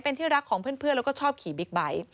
เป็นที่รักของเพื่อนแล้วก็ชอบขี่บิ๊กไบท์